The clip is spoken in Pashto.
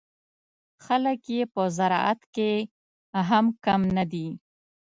خلک یې په زراعت کې هم کم نه دي.